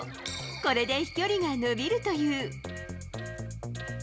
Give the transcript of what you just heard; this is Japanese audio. これで飛距離が伸びるという。